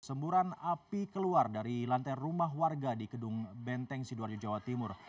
semburan api keluar dari lantai rumah warga di kedung benteng sidoarjo jawa timur